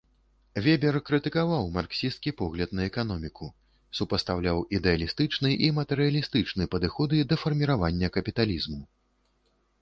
Вебер крытыкаваў марксісцкі погляд на эканоміку, супастаўляў ідэалістычны і матэрыялістычны падыходы да фарміравання капіталізму.